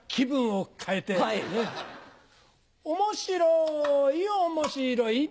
面白い面白い。